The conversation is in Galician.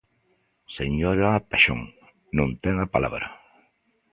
Señora Paxón, non ten a palabra.